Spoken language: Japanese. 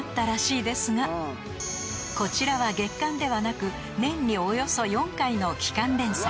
［こちらは月刊ではなく年におよそ４回の期間連載］